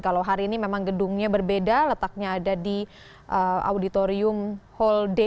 kalau hari ini memang gedungnya berbeda letaknya ada di auditorium hall d